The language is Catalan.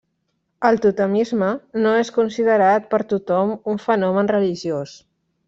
El totemisme no és considerat per tothom un fenomen religiós.